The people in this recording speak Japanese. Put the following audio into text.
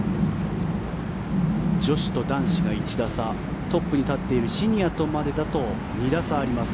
女子と男子が１打差トップに立っているシニアと２打差があります。